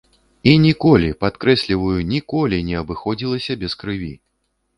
І ніколі, падкрэсліваю, ніколі не абыходзіліся без крыві.